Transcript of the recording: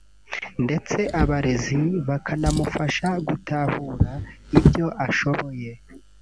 ndetse abarezi bakanamufasha gutahura ibyo ashoboye